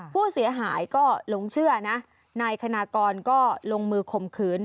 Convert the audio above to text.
ผู้เสียหายก็หลงเชื่อนะนายคณากรก็ลงมือข่มขืน